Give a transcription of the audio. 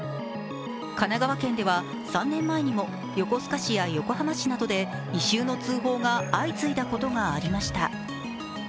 神奈川県では３年前にも横須賀市や横浜市などで異臭の通報が相次いだことがありました。